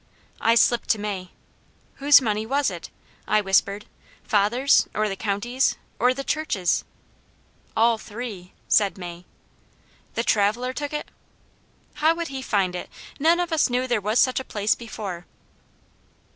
I slipped to May, "Whose money was it?" I whispered. "Father's, or the county's, or the church's?" "All three," said May. "The traveller took it." "How would he find it? None of us knew there was such a place before."